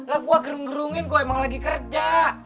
lah gua gerung gerungin gua emang lagi kerja